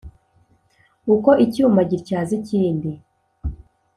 uko icyuma gityaza ikindi,